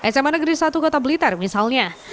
sma negeri satu kota blitar misalnya